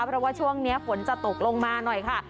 เพราะว่าช่วงนี้ฝนจะตกลงมาหน่อยค่ะ